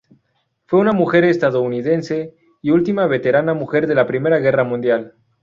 Fue una mujer estadounidense, y última veterana mujer de la Primera Guerra Mundial.